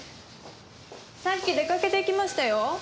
さっき出掛けていきましたよ。